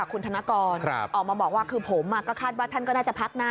คุณธนกรออกมาบอกว่าคือผมก็คาดว่าท่านก็น่าจะพักนะ